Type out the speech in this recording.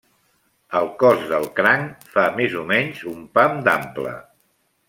El cos del cranc fa més o menys un pam d'ample.